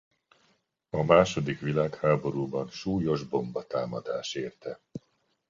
A második világháborúban súlyos bombatámadás érte.